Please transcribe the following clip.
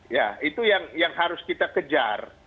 ya itu yang harus kita kejar